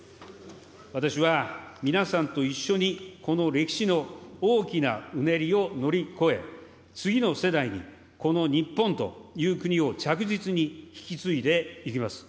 私は皆さんと一緒にこの歴史の大きなうねりを乗り越え、次の世代にこの日本という国を着実に引き継いでいきます。